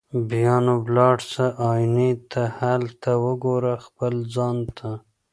بیا نو ولاړ سه آیینې ته هلته وګوره خپل ځان ته